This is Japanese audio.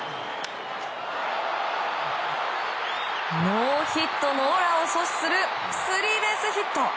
ノーヒットノーランを阻止するスリーベースヒット。